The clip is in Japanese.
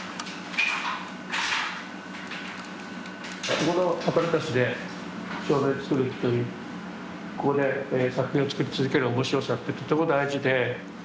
ここのアパラタスで照明作るというここで作品を創り続ける面白さってとても大事で。